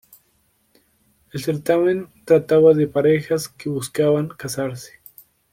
El certamen trataba de parejas que buscaban casarse.